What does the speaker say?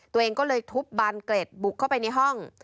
ตัวเองก็เลยทุบบานเกร็ดบุกเข้าไปในห้อง